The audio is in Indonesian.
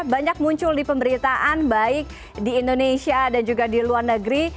banyak muncul di pemberitaan baik di indonesia dan juga di luar negeri